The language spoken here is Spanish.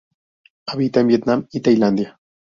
Habita en Vietnam y Tailandia.